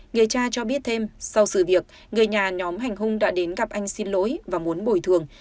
người cha cho biết thêm sau sự việc người nhà nhóm hành hung đã đến gặp anh xin lỗi và muốn bồi thường